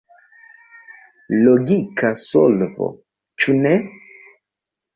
Logika solvo, ĉu ne?